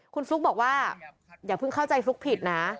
คนฟลุ๊กบอกว่าอย่าเข้าใจผลุ๊กผิดนะ